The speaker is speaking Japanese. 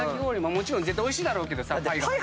もちろんおいしいだろうけどさ。